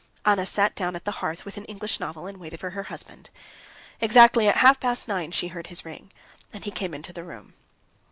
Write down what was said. Anna sat down at the hearth with an English novel and waited for her husband. Exactly at half past nine she heard his ring, and he came into the room.